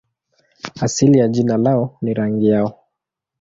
Asili ya jina lao ni rangi yao.